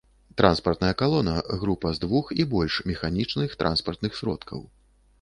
Транспартная калона — група з двух і больш механічных транспартных сродкаў